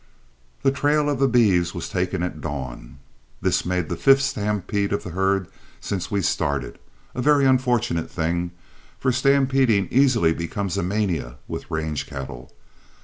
The trail of the beeves was taken at dawn. This made the fifth stampede of the herd since we started, a very unfortunate thing, for stampeding easily becomes a mania with range cattle.